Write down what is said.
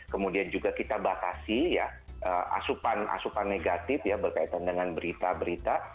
kemudian juga kita batasi ya asupan asupan negatif ya berkaitan dengan berita berita